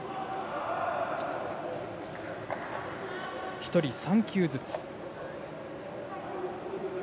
１人３球ずつ。